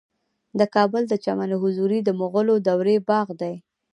د کابل د چمن حضوري د مغلو دورې باغ دی